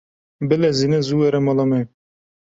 Bilezîne zû were mala me.